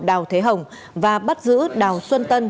đào thế hồng và bắt giữ đào xuân tân